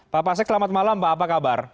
pak pasek selamat malam pak apa kabar